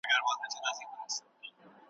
غواړي د افغانستان وضعيت بدل کړي.